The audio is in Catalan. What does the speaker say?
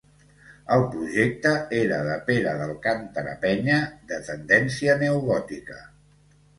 El projecte era de Pere d'Alcàntara Penya, de tendència neogòtica.